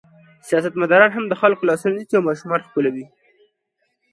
سیاستمداران هم د خلکو لاسونه نیسي او ماشومان ښکلوي.